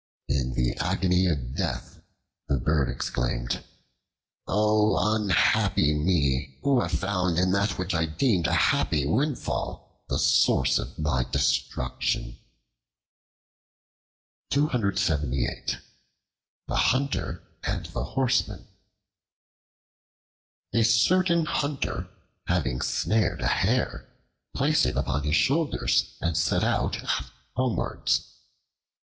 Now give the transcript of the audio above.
In the agony of death, the bird exclaimed: "O unhappy me! who have found in that which I deemed a happy windfall the source of my destruction." The Hunter and the Horseman A CERTAIN HUNTER, having snared a hare, placed it upon his shoulders and set out homewards.